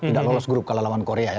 tidak lolos grup kalah lawan korea ya